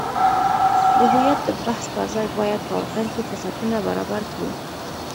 د هویت د بحث پرځای باید په وطن کې فرصتونه برابر کړو.